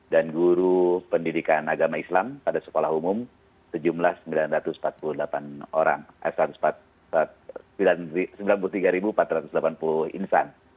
dan guru pendidikan agama islam pada sekolah umum sejumlah sembilan ratus empat puluh tiga empat ratus delapan puluh insan